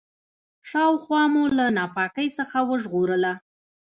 شاوخوا مو له ناپاکۍ څخه وژغورله.